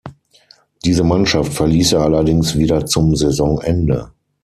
Diese Mannschaft verließ er allerdings wieder zum Saisonende.